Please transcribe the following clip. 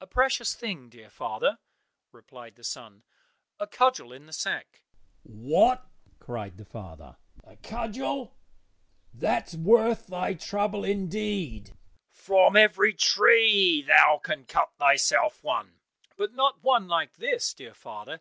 "A precious thing, dear father," replied the son, "a cudgel in the sack." "What!" cried the father, "a cudgel! That's worth thy trouble, indeed! From every tree thou can cut thyself one." "But not one like this, dear father.